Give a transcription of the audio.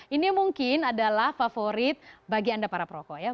ini mungkin adalah favorit bagi anda para perokok ya